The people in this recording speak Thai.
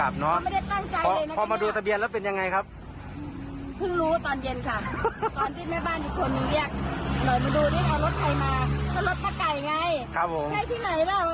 บอกเอาไปคืนเพราะว่าทุกคนใช้เท่าไหร่